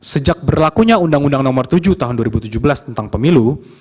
sejak berlakunya undang undang nomor tujuh tahun dua ribu tujuh belas tentang pemilu